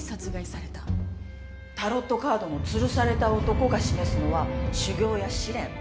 タロットカードの吊るされた男が示すのは修行や試練。